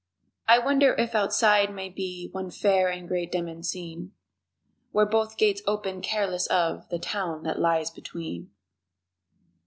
I wonder if Outside may be One fair and great demesne Where both gates open, careless of The Town that lies between?